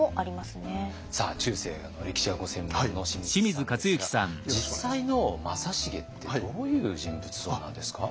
さあ中世の歴史がご専門の清水さんですが実際の正成ってどういう人物像なんですか？